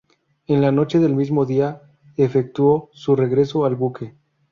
En la noche del mismo día, efectuó su regreso al buque.